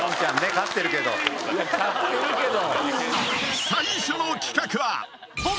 飼ってるけど。